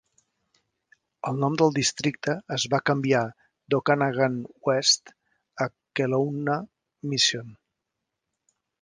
El nom del districte es va canviar d'Okanagan West a Kelowna-Mission.